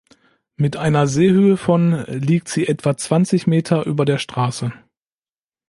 Mit einer Seehöhe von liegt sie etwa zwanzig Meter über der Straße.